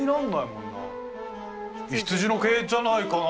羊の毛じゃないかな？